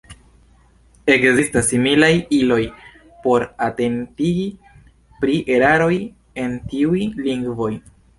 Ekzistas similaj iloj por atentigi pri eraroj en tiuj lingvoj.